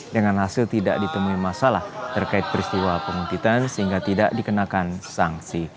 dengan hasil tidak ditemui masalah terkait peristiwa penguntitan sehingga tidak dikenakan sanksi